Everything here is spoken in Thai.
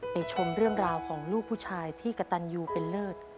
ชมเรื่องราวของลูกผู้ชายที่กระตันยูเป็นเลิศ